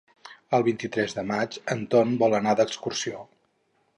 El vint-i-tres de maig en Ton vol anar d'excursió.